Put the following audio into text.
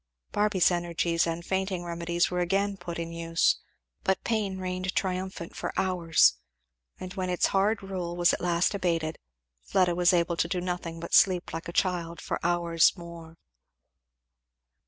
Barby's energies and fainting remedies were again put in use; but pain reigned triumphant for hours, and when its hard rule was at last abated Fleda was able to do nothing but sleep like a child for hours more.